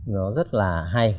nó rất là hay